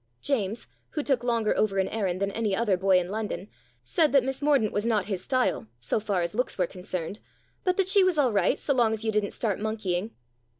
James, who took longer over an errand than any other boy in London, said that Miss Mordaunt was not his style, so far as looks were concerned, but that she was all right so long as you didn't start monkeying.